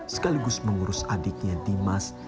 sekaligus mengurus adiknya dimas